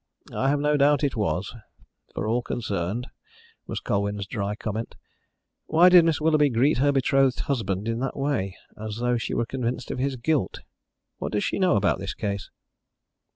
"I have no doubt it was for all concerned," was Colwyn's dry comment. "Why did Miss Willoughby greet her betrothed husband in that way, as though she were convinced of his guilt? What does she know about the case?"